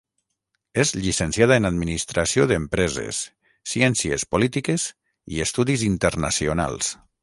És llicenciada en Administració d'Empreses, Ciències Polítiques i Estudis Internacionals.